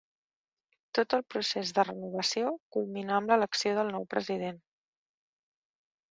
Tot el procés de renovació culminà amb l'elecció del nou president.